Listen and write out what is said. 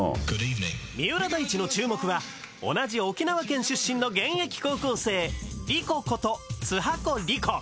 三浦大知の注目は同じ沖縄県出身の現役高校生Ｒｉｋｏこと津波古梨心